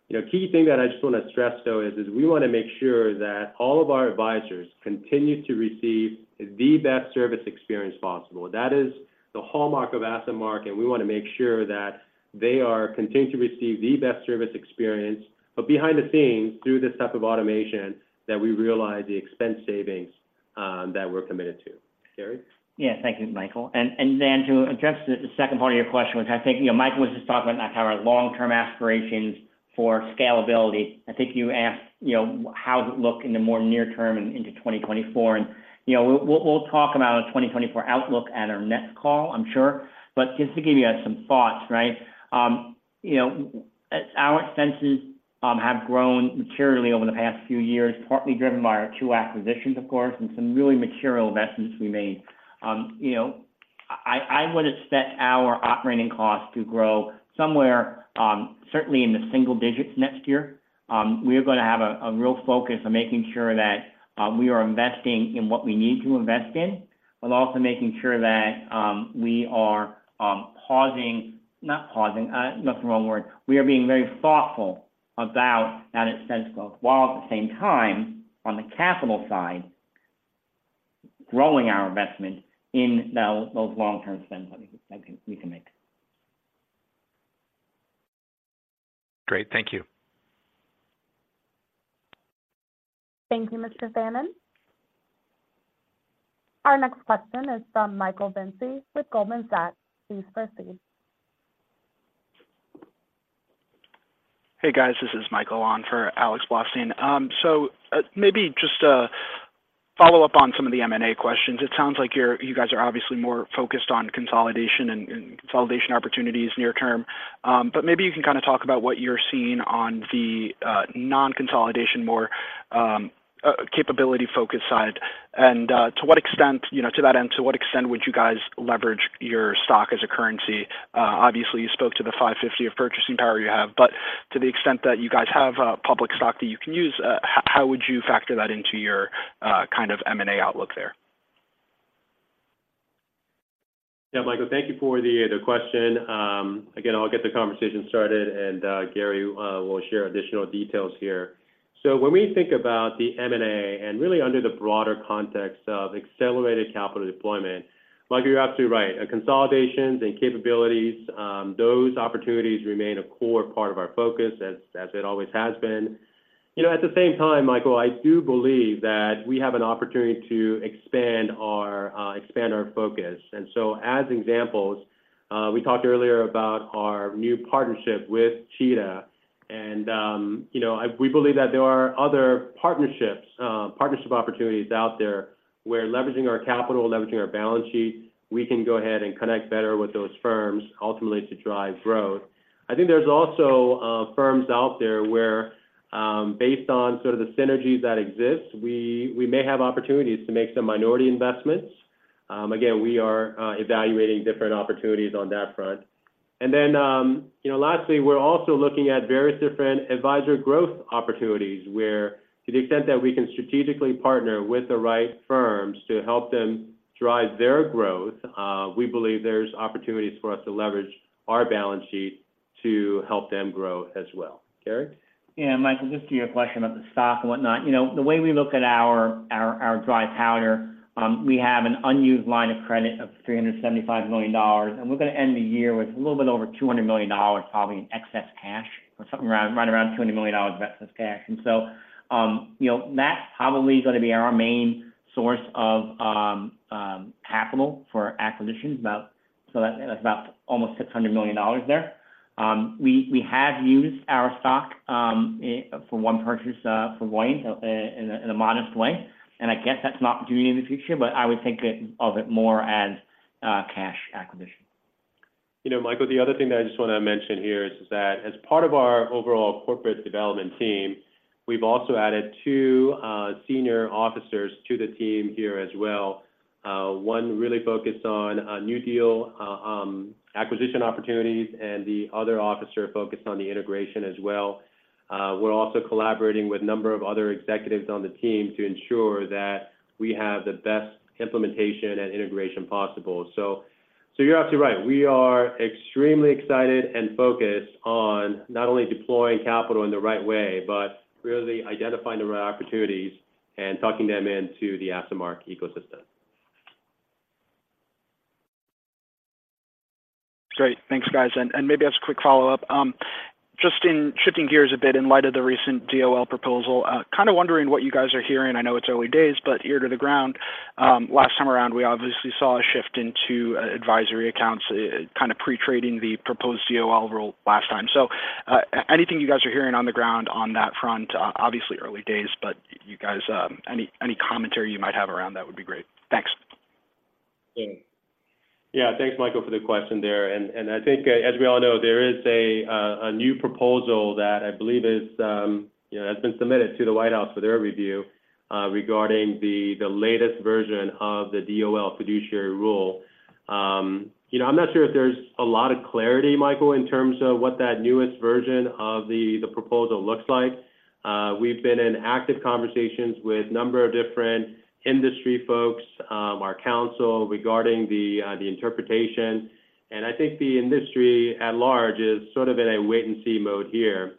You know, key thing that I just want to stress, though, is we want to make sure that all of our advisors continue to receive the best service experience possible. That is the hallmark of AssetMark, and we want to make sure that they are continuing to receive the best service experience. But behind the scenes, through this type of automation, that we realize the expense savings that we're committed to. Gary? Yeah. Thank you, Michael. And Dan, to address the second part of your question, which I think, you know, Michael was just talking about kind of our long-term aspirations for scalability. I think you asked, you know, how does it look in the more near term and into 2024? And, you know, we'll talk about a 2024 outlook at our next call, I'm sure. But just to give you some thoughts, right? You know, our expenses have grown materially over the past few years, partly driven by our two acquisitions, of course, and some really material investments we made. You know, I would expect our operating costs to grow somewhere, certainly in the single digits next year. We are going to have a real focus on making sure that we are investing in what we need to invest in, but also making sure that we are pausing... not pausing, that's the wrong word. We are being very thoughtful about that expense growth, while at the same time, on the capital side, growing our investment in those long-term spends that we can make. Great. Thank you. Thank you, Mr. Fannon. Our next question is from Michael Vinci with Goldman Sachs. Please proceed. Hey, guys, this is Michael on for Alex Blostein. So, maybe just a follow-up on some of the M&A questions. It sounds like you're you guys are obviously more focused on consolidation and consolidation opportunities near term, but maybe you can kind of talk about what you're seeing on the non-consolidation, more capability focus side, and to what extent, you know, to that end, to what extent would you guys leverage your stock as a currency? Obviously, you spoke to the $550 of purchasing power you have, but to the extent that you guys have public stock that you can use, how would you factor that into your kind of M&A outlook there? Yeah, Michael, thank you for the question. Again, I'll get the conversation started, and Gary will share additional details here. So when we think about the M&A and really under the broader context of accelerated capital deployment, Michael, you're absolutely right. Acquisitions and capabilities, those opportunities remain a core part of our focus, as it always has been. You know, at the same time, Michael, I do believe that we have an opportunity to expand our focus. And so as examples, we talked earlier about our new partnership with Cheetah, and you know, we believe that there are other partnerships, partnership opportunities out there, where leveraging our capital, leveraging our balance sheet, we can go ahead and connect better with those firms ultimately to drive growth. I think there's also, firms out there where, based on sort of the synergies that exist, we, we may have opportunities to make some minority investments. Again, we are, evaluating different opportunities on that front. And then, you know, lastly, we're also looking at various different advisor growth opportunities, where to the extent that we can strategically partner with the right firms to help them drive their growth, we believe there's opportunities for us to leverage our balance sheet to help them grow as well. Gary? Yeah, Michael, just to your question about the stock and whatnot. You know, the way we look at our dry powder, we have an unused line of credit of $375 million, and we're going to end the year with a little bit over $200 million, probably in excess cash, or something around, right around $200 million of excess cash. And so, you know, that's probably going to be our main source of capital for acquisitions, about, so that's about almost $600 million there. We have used our stock for one purchase, for Voyant, in a modest way, and I guess that's an opportunity in the future, but I would think of it more as cash acquisition. You know, Michael, the other thing that I just want to mention here is that as part of our overall corporate development team, we've also added two senior officers to the team here as well. One really focused on a new deal acquisition opportunities, and the other officer focused on the integration as well. We're also collaborating with a number of other executives on the team to ensure that we have the best implementation and integration possible. So, you're absolutely right. We are extremely excited and focused on not only deploying capital in the right way, but really identifying the right opportunities and talking them into the AssetMark ecosystem. Great. Thanks, guys. And maybe as a quick follow-up, just in shifting gears a bit in light of the recent DOL proposal, kind of wondering what you guys are hearing. I know it's early days, but ear to the ground, last time around, we obviously saw a shift into advisory accounts, kind of pre-trading the proposed DOL rule last time. So, anything you guys are hearing on the ground on that front? Obviously early days, but you guys, any commentary you might have around that would be great. Thanks. Yeah. Yeah, thanks, Michael, for the question there. And I think, as we all know, there is a new proposal that I believe is, you know, has been submitted to the White House for their review, regarding the latest version of the DOL fiduciary rule. You know, I'm not sure if there's a lot of clarity, Michael, in terms of what that newest version of the proposal looks like. We've been in active conversations with a number of different industry folks, our council, regarding the interpretation. And I think the industry at large is sort of in a wait-and-see mode here.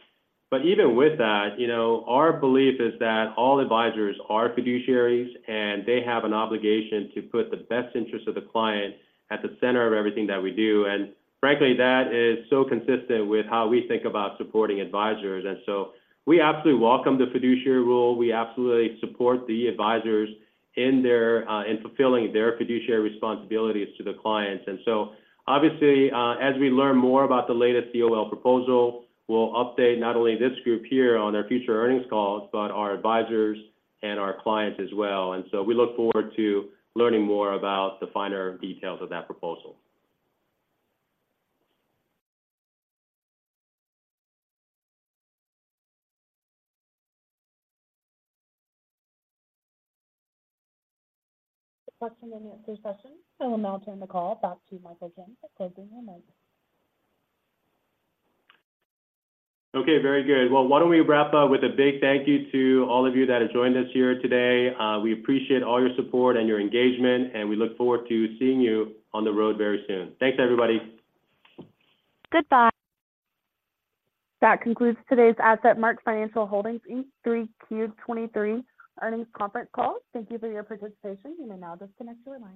But even with that, you know, our belief is that all advisors are fiduciaries, and they have an obligation to put the best interest of the client at the center of everything that we do. And frankly, that is so consistent with how we think about supporting advisors. And so we absolutely welcome the fiduciary rule. We absolutely support the advisors in their fulfilling their fiduciary responsibilities to the clients. And so, obviously, as we learn more about the latest DOL proposal, we'll update not only this group here on our future earnings calls, but our advisors and our clients as well. And so we look forward to learning more about the finer details of that proposal. Question and answer session. I will now turn the call back to Michael Kim for closing remarks. Okay, very good. Well, why don't we wrap up with a big thank you to all of you that have joined us here today. We appreciate all your support and your engagement, and we look forward to seeing you on the road very soon. Thanks, everybody. Goodbye. That concludes today's AssetMark Financial Holdings Inc. 3Q 2023 earnings conference call. Thank you for your participation. You may now disconnect your line.